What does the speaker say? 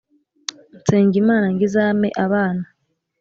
Nsenga Imana ngo izame abana